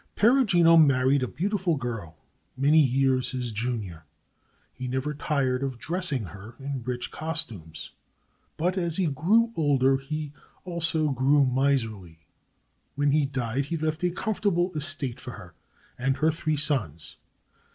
Perugino married a beautiful girl many years his junior. He never tired of dressing her in rich costumes. But as he grew older he also grew miserly. When he died he left a comfortable estate for her and her three sons.